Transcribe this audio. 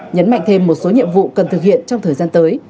nhấn mạnh thêm một số nhiệm vụ cần thực hiện trong thời gian tới